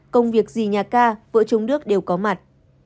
công việc gì nhà ca vợ trung đức đều có mặt